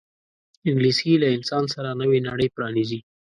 انګلیسي له انسان سره نوې نړۍ پرانیزي